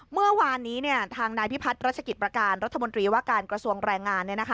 เมื่อวานนี้ทางนายพิพัฒน์รัชกิจประการรัฐมนตรีว่าการกระทรวงแรงงาน